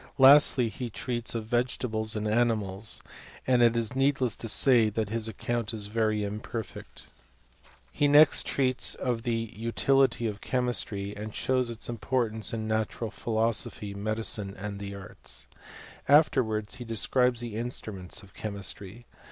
Lastly he tieats of vegetables and animals ; and it is needless to say that his account is .very imperfect. • I He next treats of the utility of chemistry, and shows its importance in natural philosophy, medicine, and the arts. Afterwards he describes the instruments of chemistry.